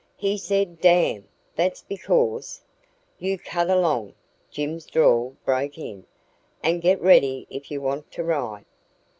He said 'damn'. That's because " "You cut along," Jim's drawl broke in, "and get ready if you want to ride."